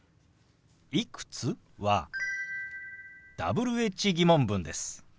「いくつ？」はＷｈ−疑問文です。